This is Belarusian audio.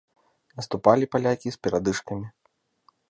Наступалі палякі з перадышкамі.